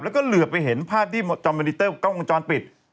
แล้วก็เหลือไปเห็นภาพที่จอมเมนิเตอร์กล้องวงจรปิด